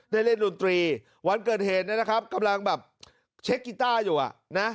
ได้เล่นดนตรีวันเกิดเหตุเนี่ยนะครับกำลังแบบเช็คกีต้าอยู่อ่ะนะ